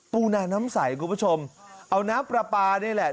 ปูนาน้ำใสคุณผู้ชมเอาน้ำปลาปลานี่แหละ